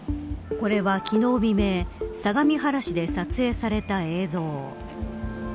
これは、昨日未明相模原市で撮影された映像。